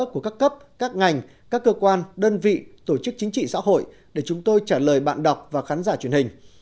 của các cấp các ngành các cơ quan đơn vị tổ chức chính trị xã hội để chúng tôi trả lời bạn đọc và khán giả truyền hình